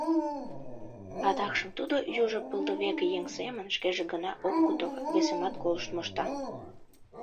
Адакшым тудо, южо пылдывек еҥ семын, шкеже гына ок кутыро, весымат колышт мошта.